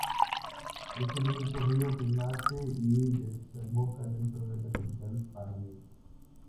Es el único río que nace y desemboca dentro de la capital panameña.